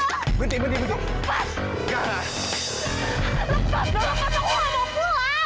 lepas aku gak mau pulang